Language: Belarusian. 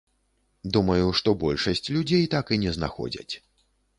Думаю, што большасць людзей так і не знаходзяць.